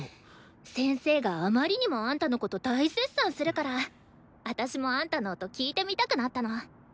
先生があまりにもあんたのこと大絶賛するから私もあんたの音聴いてみたくなったの。